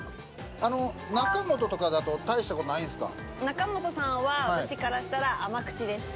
中本さんとかだと大したことないんですか？